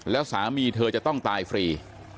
แล้วสามีเธอจะต้องตายฟรี